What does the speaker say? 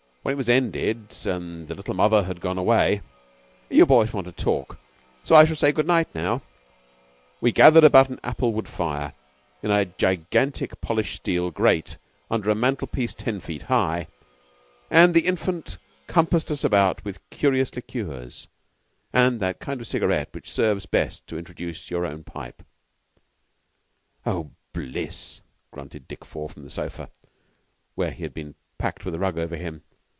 When it was ended and the little mother had gone away ("You boys want to talk, so I shall say good night now") we gathered about an apple wood fire, in a gigantic polished steel grate, under a mantel piece ten feet high, and the Infant compassed us about with curious liqueurs and that kind of cigarette which serves best to introduce your own pipe. "Oh, bliss!" grunted Dick Four from a sofa, where he had been packed with a rug over him.